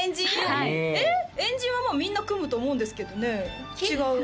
はい円陣はもうみんな組むと思うんですけどね違う？